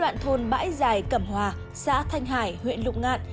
đoạn thôn bãi giải cẩm hòa xã thanh hải huyện lục ngạn